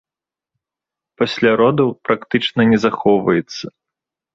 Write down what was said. Пасля родаў практычна не захоўваецца.